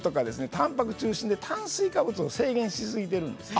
たんぱく中心で炭水化物を制限しすぎてるんですね。